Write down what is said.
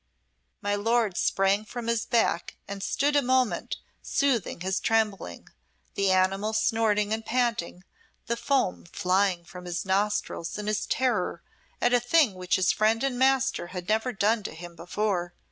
My lord sprang from his back and stood a moment soothing his trembling, the animal snorting and panting, the foam flying from his nostrils in his terror at a thing which his friend and master had never done to him before.